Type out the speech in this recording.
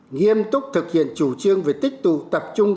nghiêm túc thực hiện chủ trương về tích tụ tập trung